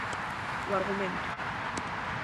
O argumento.